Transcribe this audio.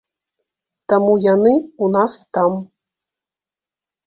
Таму яны ў нас там.